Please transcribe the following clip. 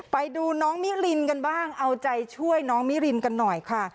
ไปดูน้องมิรินกันบ้างเอาใจช่วยน้องมิรินกันหน่อยค่ะ